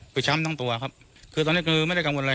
คือช้ำทั้งตัวครับคือตอนนี้คือไม่ได้กังวลอะไร